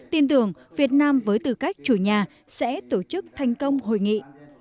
tin tưởng việt nam với tư cách chủ nhà sẽ tổ chức thành công hội nghị